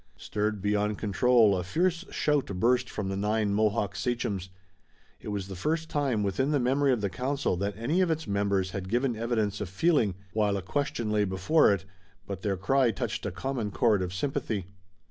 Stirred beyond control, a fierce shout burst from the nine Mohawk sachems. It was the first time within the memory of the council that any of its members had given evidence of feeling, while a question lay before it, but their cry touched a common chord of sympathy.